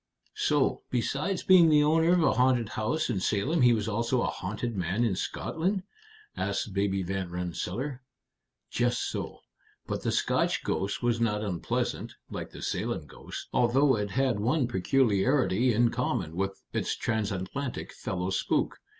"So, besides being the owner of a haunted house in Salem, he was also a haunted man in Scotland?" asked Baby Van Rensselaer. "Just so. But the Scotch ghost was not unpleasant, like the Salem ghost, although it had one peculiarity in common with its transatlantic fellow spook.